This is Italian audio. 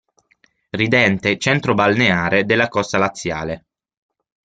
Ridente centro balneare della costa laziale.